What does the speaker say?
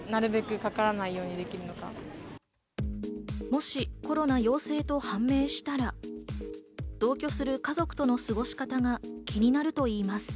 もしコロナ陽性と判明したら、同居する家族との過ごし方が気になるといいます。